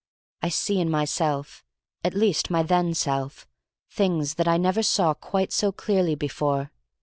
I see in myself, at least my then self, things that I never saw quite so clearly before.